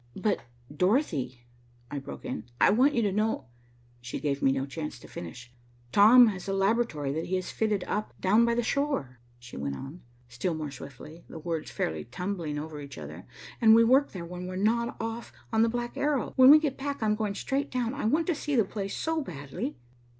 "But, Dorothy," I broke in, "I want you to know " She gave me no chance to finish. "Tom has a laboratory that he has fitted up down by the shore," she went on, still more swiftly, the words fairly tumbling over each other, "and we work there when we're not off on the Black Arrow. When we get back, I'm going straight down; I want to see the place so badly."